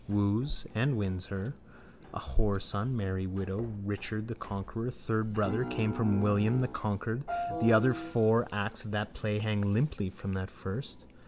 woos and wins her, a whoreson merry widow. Richard the conqueror, third brother, came after William the conquered. The other four acts of that play hang limply from that first.